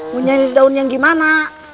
mau nyari daun yang gimana